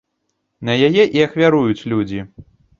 На яе і ахвяруюць людзі.